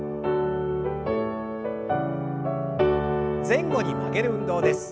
前後に曲げる運動です。